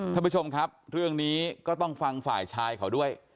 ท่านผู้ชมครับเรื่องนี้ก็ต้องฟังฝ่ายชายเขาด้วย